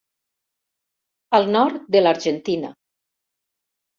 Al nord de l'Argentina.